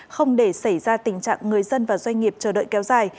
không để xảy ra tình trạng người dân và doanh nghiệp chờ đợi kéo dài